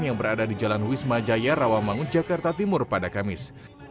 yang berada di jalan wisma jaya rawamangun jakarta timur pada kamis